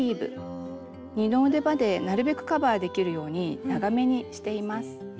二の腕までなるべくカバーできるように長めにしています。